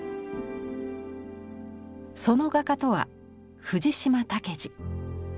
その画家とは藤島武二。